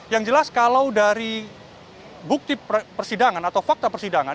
yang jelas kalau dari bukti persidangan atau fakta persidangan